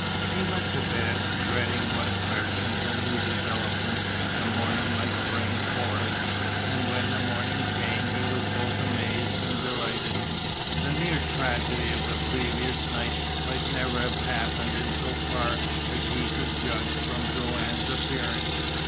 He went to bed, dreading what questions and new developments the morning might bring forth. And when the morning came, he was both amazed and delighted. The near tragedy of the previous night might never have happened in so far as he could judge from Joanne's appearance.